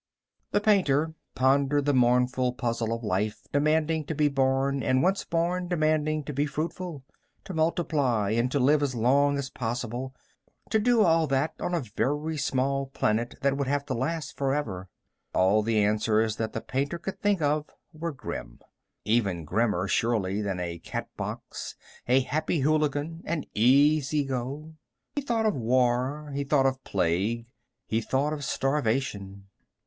The painter pondered the mournful puzzle of life demanding to be born and, once born, demanding to be fruitful ... to multiply and to live as long as possible to do all that on a very small planet that would have to last forever. All the answers that the painter could think of were grim. Even grimmer, surely, than a Catbox, a Happy Hooligan, an Easy Go. He thought of war. He thought of plague. He thought of starvation.